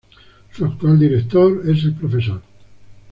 Su actual director es el Prof.